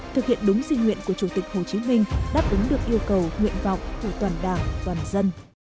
thực hiện đúng di nguyện của chủ tịch hồ chí minh đã đúng được yêu cầu nguyện vọng của toàn đảng toàn dân